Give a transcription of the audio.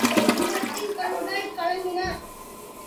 சுந்தரத்தின் கண்கள் கலங்கின.